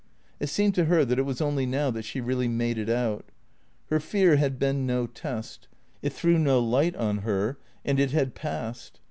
It seemed to her that it was only now that she really made it out. Her fear had been no test, it threw no light on her, and it had passed.